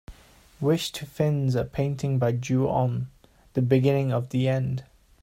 Wish to fins a painting by Ju-On: The Beginning of the End